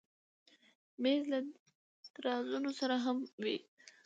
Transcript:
مېز له درازونو سره هم وي.